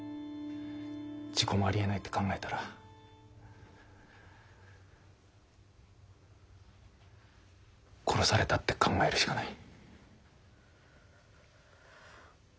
事故もありえないって考えたら殺されたって考えるしかない。